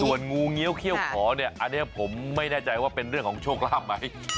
งูเงี้ยวเขี้ยวขอเนี่ยอันนี้ผมไม่แน่ใจว่าเป็นเรื่องของโชคลาภไหม